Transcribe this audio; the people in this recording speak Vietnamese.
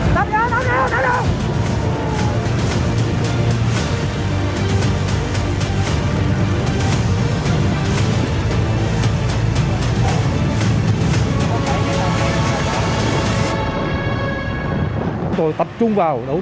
tết don t let them down